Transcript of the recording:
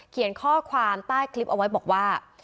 เขียนข้อความใต้คลิปเอาไว้บอกว่า